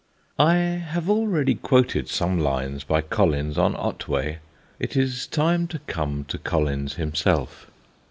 I have already quoted some lines by Collins on Otway; it is time to come to Collins himself.